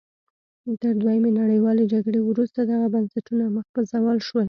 تر دویمې نړیوالې جګړې وروسته دغه بنسټونه مخ په زوال شول.